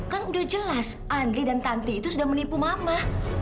kan udah jelas andri dan tanti itu sudah menipu mama